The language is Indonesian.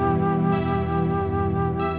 assalamualaikum pak ustadz